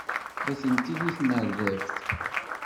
Atenti deg tnerdabt.